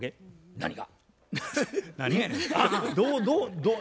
何が？